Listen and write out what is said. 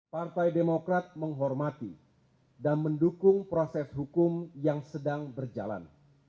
partai demokrat menghormati dan mendukung proses hukum yang sedang berjalan